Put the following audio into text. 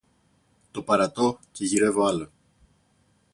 Το παρατώ και γυρεύω άλλο.